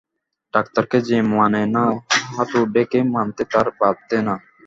ডাক্তারকে যে মানে না হাতুড়েকে মানতে তার বাধে না।